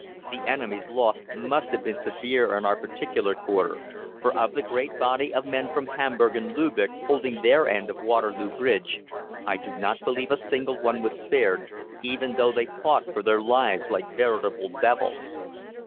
The enemy's loss must have been severe in our particular quarter, for of the great body of men from Hamburg and Lübeck holding their end of Waterloo Bridge I do not believe a single one was spared, even though they fought for their lives like veritable devils.